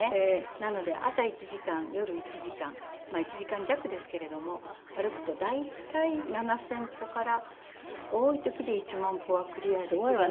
なので朝１時間夜１時間１時間弱ですけれども歩くと大体７０００歩から多い時で１万歩はクリアできるので。